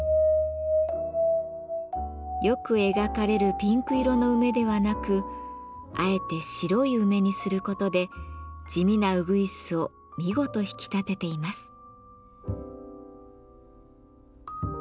よく描かれるピンク色の梅ではなくあえて白い梅にすることで地味なうぐいすを見事引き立てています。